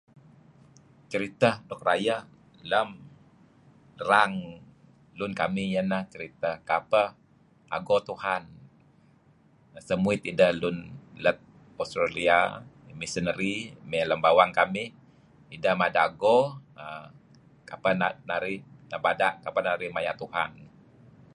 Ceriteh nuk rayeh lem rang lun kamih ieh ineh ceriteh kapeh ago Tuhan nemuit ideh lun let Australia missionary mey lem bawang kamih ideh mada' ago err kapeh narih nebeda', kapeh narih maya' Tuhan.